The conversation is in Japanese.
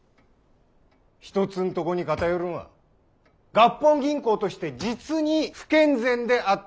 一つんとこに偏るんは合本銀行として実に不健全であっとである。